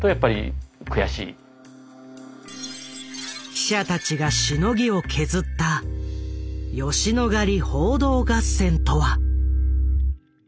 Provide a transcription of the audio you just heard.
記者たちがしのぎを削った吉野ヶ里報道合戦とは。